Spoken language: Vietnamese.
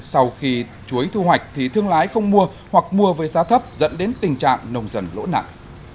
sau khi chuối thu hoạch thì thương lái không mua hoặc mua với giá thấp dẫn đến tình trạng nông dân lỗ nặng